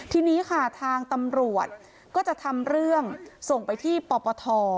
ทีนี้ค่ะทางตำรวจก็จะทำเรื่องส่งไปที่ปปท